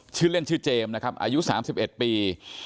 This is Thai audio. ชื่อเล่นชื่อเจมส์นะครับอายุ๓๑ปี